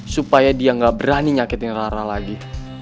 supaya dia nggak berani nyakitin rara lagi